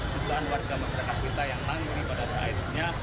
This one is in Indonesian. jutaan warga masyarakat kita yang tangguh pada saatnya